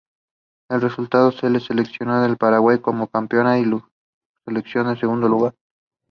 He played college basketball for Western Kentucky.